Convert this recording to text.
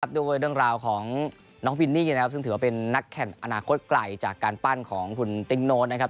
ด้วยเรื่องราวของน้องวินนี่นะครับซึ่งถือว่าเป็นนักแข่งอนาคตไกลจากการปั้นของคุณติ๊งโน้ตนะครับ